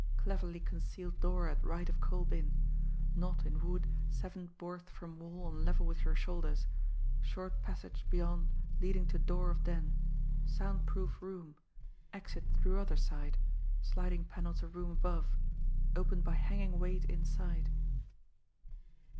cleverly concealed door at right of coal bin ... knot in wood seventh board from wall on level with your shoulders ... short passage beyond leading to door of den ... sound proof room ... exit through other side ... sliding panel to room above ... opened by hanging weight inside